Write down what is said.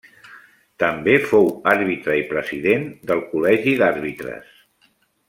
També fou àrbitre i president del Col·legi d'Àrbitres.